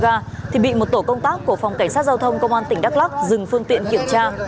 trong đường đi một tổ công tác của phòng cảnh sát giao thông công an tỉnh đắk lắc dừng phương tiện kiểm tra